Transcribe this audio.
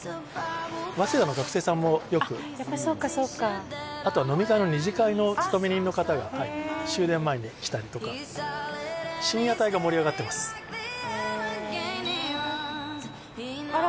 早稲田の学生さんもよくあっやっぱそっかそっかあとは飲み会の２次会の勤め人の方がはい終電前に来たりとか深夜帯が盛り上がってますへえあら